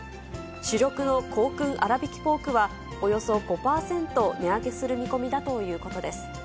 主力の香薫あらびきポークは、およそ５％値上げする見込みだということです。